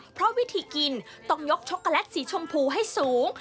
เพราะวิธีกินต้องยกช็อกโกแลตสีชมพูให้สูง